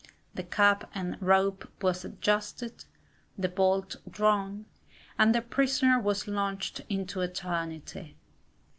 The cap and rope was adjusted, the bolt drawn, and the prisoner was launched into eternity.